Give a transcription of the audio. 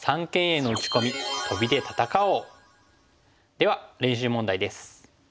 では練習問題です。